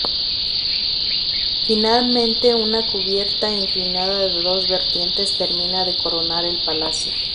Finalmente, una cubierta inclinada de dos vertientes termina de coronar el palacio.